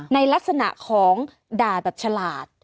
ในลักษณะของด่าแบบฉลาด